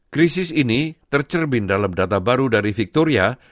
krisis ini tercermin dalam data baru dari victoria